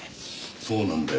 そうなんだよ。